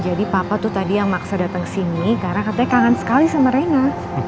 jadi papa tuh tadi yang maksa dateng sini karena katanya kangen sekali sama reina